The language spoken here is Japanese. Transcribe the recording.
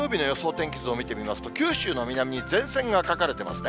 天気図を見てみますと、九州の南に前線が描かれてますね。